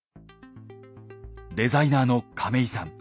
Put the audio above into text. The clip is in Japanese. デザイナーの亀井さん。